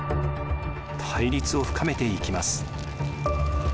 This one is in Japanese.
対立を深めていきます。